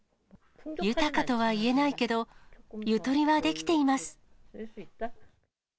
豊かとは言えないけど、ゆとりはできています。